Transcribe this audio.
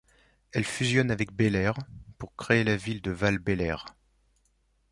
Elle fusionne avec Bélair pour créée la ville de Val-Bélair.